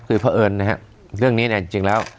คือเพราะเอิญนะครับเรื่องนี้เนี่ยจริงแล้ว